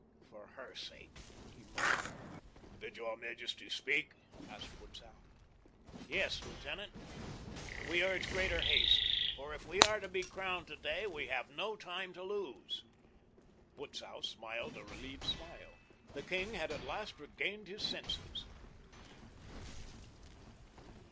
"For her sake," he muttered. "Did your majesty speak?" asked Butzow. "Yes, lieutenant. We urge greater haste, for if we are to be crowned today we have no time to lose." Butzow smiled a relieved smile. The king had at last regained his senses!